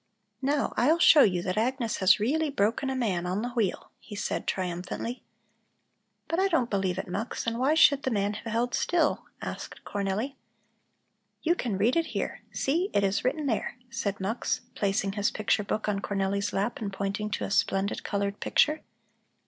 "Now, I'll show you that Agnes has really broken a man on the wheel," he said triumphantly. "But I don't believe it, Mux. And why should the man have held still?" asked Cornelli. "You can read it here. See, it is written there!" said Mux, placing his picture book on Cornelli's lap and pointing to a splendid colored picture.